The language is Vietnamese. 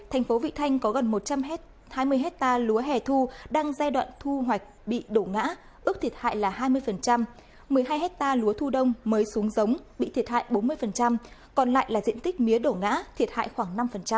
một mươi hai hectare lúa thu đông mới xuống giống bị thiệt hại bốn mươi còn lại là diện tích mía đổ ngã thiệt hại khoảng năm